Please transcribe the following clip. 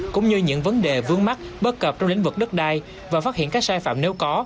cũng như những vấn đề vướng mắt bất cập trong lĩnh vực đất đai và phát hiện các sai phạm nếu có